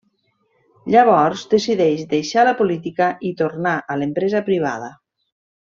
Llavors decideix deixar la política i tornar a l'empresa privada.